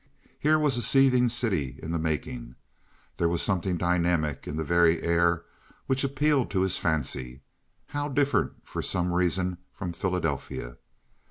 Here was a seething city in the making. There was something dynamic in the very air which appealed to his fancy. How different, for some reason, from Philadelphia!